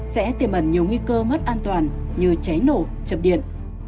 sẽ tiềm ẩn nhiều nguy cơ mất an toàn như cháy nổ chập điện